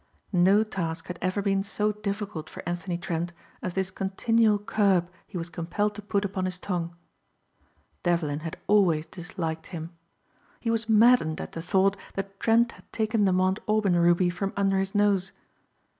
No task had ever been so difficult for Anthony Trent as this continual curb he was compelled to put upon his tongue. Devlin had always disliked him. He was maddened at the thought that Trent had taken the Mount Aubyn ruby from under his nose.